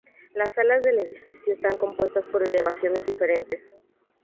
Las alas del edificio están compuestas por elevaciones diferentes.